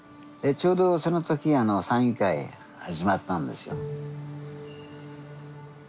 ちょうどその時山友会始まったんですよ。